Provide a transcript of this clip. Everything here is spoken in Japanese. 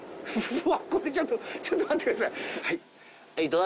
うわっこれちょっとちょっと待ってください。